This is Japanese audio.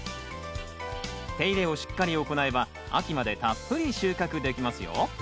手入れをしっかり行えば秋までたっぷり収穫できますよ！